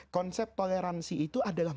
konsep toleransi itu adalah